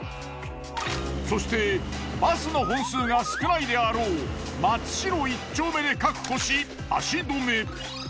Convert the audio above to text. そしてバスの本数が少ないであろう松代一丁目で確保し足止め。